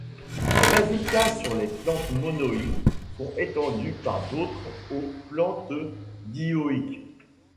Ses résultats sur les plantes monoïques sont étendus par d'autres aux plantes dioïques.